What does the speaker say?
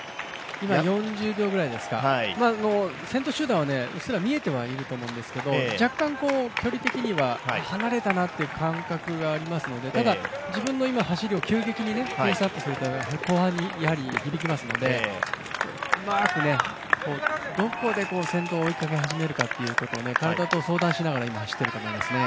今、４０秒ぐらいですか先頭集団はうっすら見えてると思うんですが若干距離的には、離れたなという感覚がありますのでただ自分の走りを急激にペースアップすると後半に響きますのでうまく、どこで先頭を追いかけ始めるのかというところを体と相談しながら今走っていると思いますね。